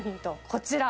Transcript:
こちら。